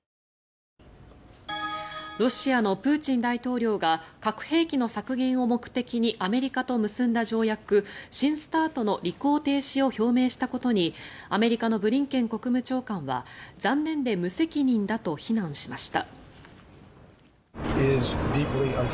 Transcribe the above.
ロシアのプーチン大統領が核兵器の削減を目的にアメリカと結んだ条約新ＳＴＡＲＴの履行停止を表明したことにアメリカのブリンケン国務長官は残念で無責任だと非難しました。